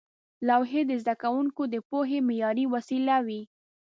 لوحې د زده کوونکو د پوهې معیاري وسیله وې.